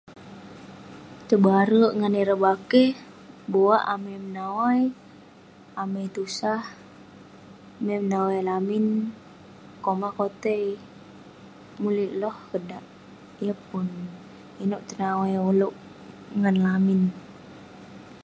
tebarek ngan ireh bakeh, buwak amai menawai, amai tusah, amai menawai lamin, komah kotai ,mulik loh keh dak, yeng pun inouk tenawai ulouk ngan lamin